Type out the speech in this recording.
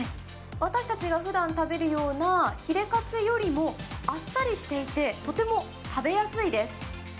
私たちがふだん食べるようなヒレカツよりもあっさりしていて、とても食べやすいです。